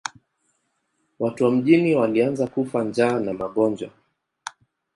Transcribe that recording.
Watu wa mjini walianza kufa njaa na magonjwa.